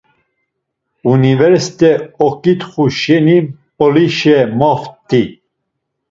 Universete oǩitxu şeni Mp̌olişe mopti.